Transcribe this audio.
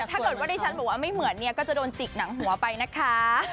ถ้าเกิดว่าดิฉันบอกว่าไม่เหมือนเนี่ยก็จะโดนจิกหนังหัวไปนะคะ